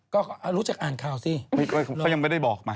ก็รู้จักอ่านข่าวสิเขายังไม่ได้บอกมา